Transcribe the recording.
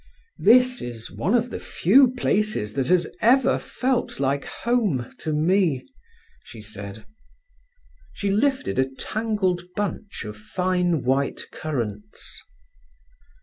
"This is one of the few places that has ever felt like home to me," she said. She lifted a tangled bunch of fine white currants.